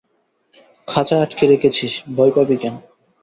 খাঁচায় আটকে রেখেছিস, ভয় পাবি কেন?